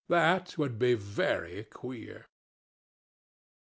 That would be very queer.